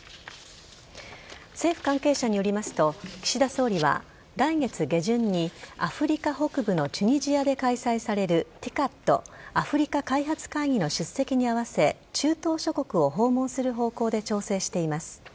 政府関係者によりますと岸田総理は来月下旬にアフリカ北部のチュニジアで開催されるＴＩＣＡＤ＝アフリカ開発会議の出席に合わせ中東諸国を訪問する方向で調整しています。